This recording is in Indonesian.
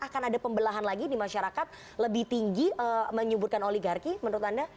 akan ada pembelahan lagi di masyarakat lebih tinggi menyuburkan oligarki menurut anda